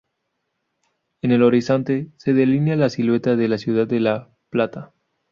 En el horizonte, se delinea la silueta de la ciudad de La Plata.